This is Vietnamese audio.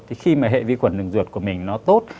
thì khi mà hệ vi khuẩn đường ruột của mình nó tốt